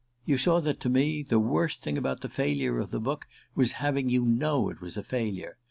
You saw that, to me, the worst thing about the failure of the book was having you know it was a failure.